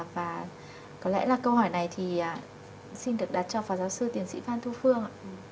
và có lẽ là câu hỏi này thì xin được đặt cho phó giáo sư tiến sĩ phan thu phương ạ